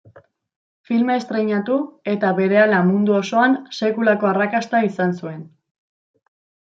Filma estreinatu eta berehala mundu osoan sekulako arrakasta izan zuen.